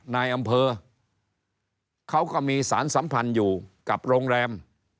นายอำเภอเขาก็มีสารสัมพันธ์อยู่กับโรงแรม